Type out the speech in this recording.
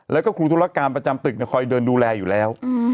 แล้วก็ครูธุรการประจำตึกคอยเดินดูแลอยู่แล้ว